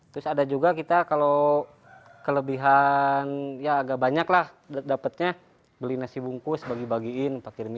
terus ada juga kita kalau kelebihan ya agak banyaklah dapatnya beli nasi bungkus bagi bagiin pakai di miskin kemana